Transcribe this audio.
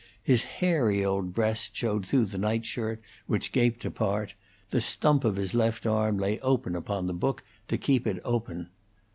His hairy old breast showed through the night shirt, which gaped apart; the stump of his left arm lay upon the book to keep it open.